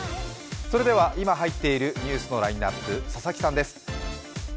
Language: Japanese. それでは今入っているニュースのラインナップ佐々木さんです。